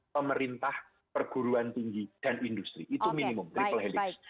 pemerintah perguruan tinggi dan industri itu minimum triple helix